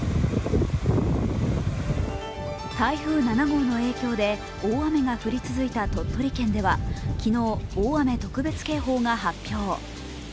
台風７号の影響で大雨が降り続いた鳥取県では昨日、大雨特別警報が発表。